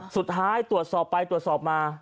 สุดท้ายตรวจสอบไปตรวจสอบมา